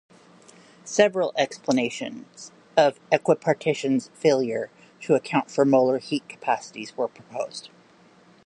Several explanations of equipartition's failure to account for molar heat capacities were proposed.